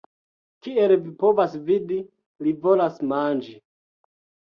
Kiel vi povas vidi, li volas manĝi